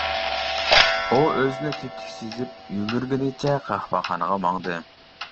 ئۇ ئۆزىنى تېتىك سېزىپ، يۈگۈرگىنىچە قەھۋەخانىغا ماڭدى.